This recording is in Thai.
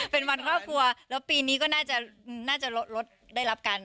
เป็นวันครอบครัวแล้วปีนี้ก็น่าจะลดได้รับกัน